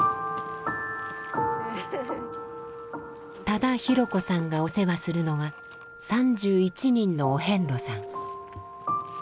多田博子さんがお世話するのは３１人のお遍路さん。